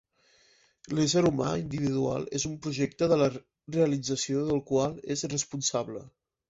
L'ésser humà individual és un «projecte» de la realització del qual és responsable.